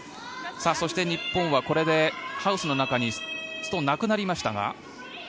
そして、日本はこれでハウスの中にストーンがなくなりましたが。